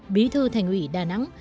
bí thư thành ủy đà nẵng